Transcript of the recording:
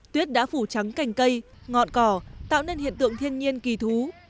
tuyết đã phủ trắng cành cây ngọn cỏ tạo nên hiện tượng thiên nhiên kỳ thú